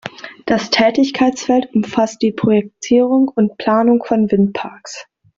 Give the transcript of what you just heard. Das Tätigkeitsfeld umfasst die Projektierung und Planung von Windparks.